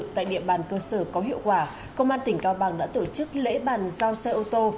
tại địa bàn cơ sở có hiệu quả công an tỉnh cao bằng đã tổ chức lễ bàn giao xe ô tô